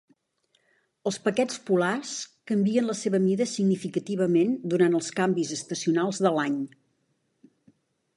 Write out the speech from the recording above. Els paquets polars canvien la seva mida significativament durant els canvis estacionals de l'any.